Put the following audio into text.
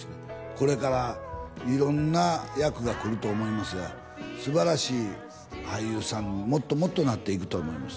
これから色んな役がくると思いますが素晴らしい俳優さんにもっともっとなっていくと思います